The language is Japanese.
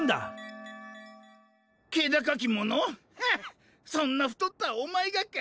ハッそんな太ったお前がか？